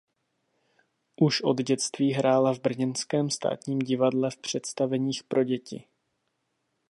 Už od dětství hrála v brněnském Státním divadle v představeních pro děti.